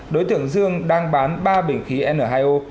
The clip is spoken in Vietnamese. đối tượng dương đang bán ba bình khí n hai o